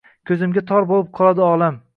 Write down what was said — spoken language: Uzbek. Ko’zimga tor bo’lib qoladi olam